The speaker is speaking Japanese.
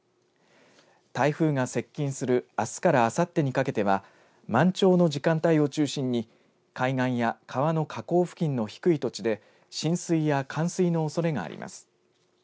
台風が接近するあすからあさってにかけては満潮の時間帯を中心に海岸や川の河口付近の低い土地で浸水や冠水のおそれがあります。